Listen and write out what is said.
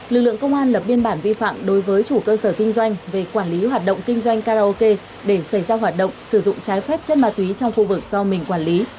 lực lượng công an lập biên bản vi phạm đối với chủ cơ sở kinh doanh về quản lý hoạt động kinh doanh karaoke để xảy ra hoạt động sử dụng trái phép chất ma túy trong khu vực do mình quản lý